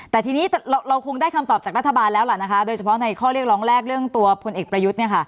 แต่ทีนี้เราคงได้คำตอบจากรัฐบาลแล้วล่ะนะคะโดยเฉพาะในข้อเรียกร้องแรกเรื่องตัวพลเอกประยุทธ์